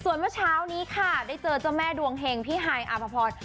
ส่วนวันเช้านี้ได้เจอเจ้าแม่ดวงเหงพี่ฮายอาพพอร์ต